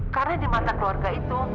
karena di mata keluarga itu